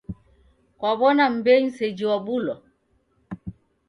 Kwaw'ona mmbenyu sejhi wabulwa?